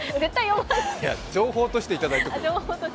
情報としていただいておく。